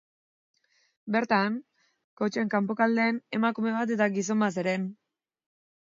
Bertan, kotxearen kanpoaldean, emakume bat eta gizon bat zeuden.